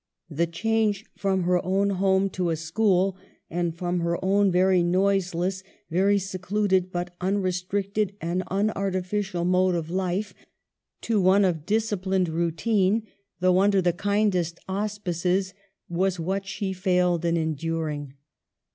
The change from her own home to a school, and from her own very noiseless, very secluded, but unrestricted and unartificial mode of life to one of disciplined routine (though under the kindest auspices) was what she failed in enduring.